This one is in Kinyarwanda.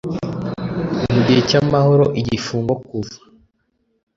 mu gihe cy amahoro igifungo kuva